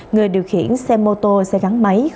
người điều khiển xe mô tô xe gắn máy